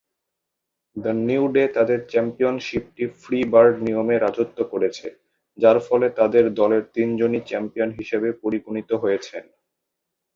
The New Day তাদের চ্যাম্পিয়নশিপটি free bird নিয়মে রাজত্ব করেছে, যার ফলে তাদের দলের তিনজনই চ্যাম্পিয়ন হিসেবে পরিগণিত হয়েছেন।